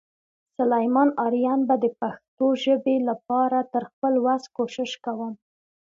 سلیمان آرین به د پښتو ژبې لپاره تر خپل وس کوشش کوم.